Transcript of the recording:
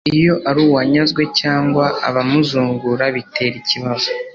iyo ari uwanyazwe cyangwa abamuzungura bitera ikibazo